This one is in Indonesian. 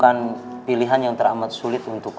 tapi apa paradisi tuhan bernyata nya